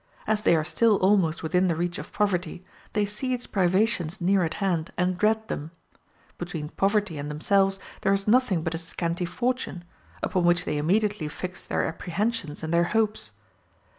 As they are still almost within the reach of poverty, they see its privations near at hand, and dread them; between poverty and themselves there is nothing but a scanty fortune, upon which they immediately fix their apprehensions and their hopes.